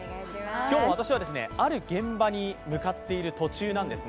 今日も私はある現場に向かっている途中なんですね。